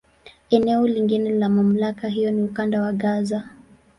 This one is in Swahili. Eneo lingine la MamlakA hiyo ni Ukanda wa Gaza.